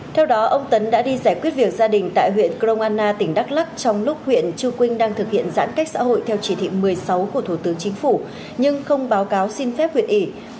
theo đó ông tấn đã đi giải quyết việc gia đình tại huyện crong anna tỉnh đắk lắc trong lúc huyện chư quynh đang thực hiện giãn cách xã hội theo chỉ thị một mươi sáu của thủ tướng chính phủ nhưng không báo cáo xin phép huyện ủy